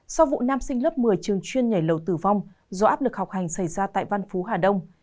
sau vụ nam sinh lớp một mươi trường chuyên nhảy lầu tử vong do áp lực học hành xảy ra tại văn phú hà đông